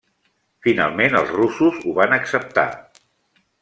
Finalment els russos ho van acceptar.